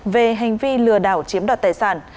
về hành vi lừa đảo chiếm đoạt tài sản